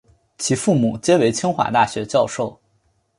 其父母皆为清华大学教授。